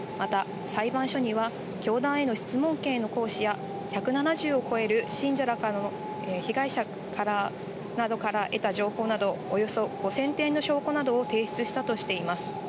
また、裁判所には教団への質問権の行使や、１７０を超える被害者などから得た情報など、およそ５０００点の証拠などを提出したとしています。